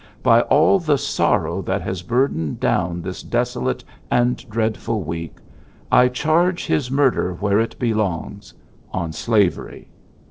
by all the sorrow that has burdened down this desolate and dread ful week, I charge his murder where it belongs, on Slavery.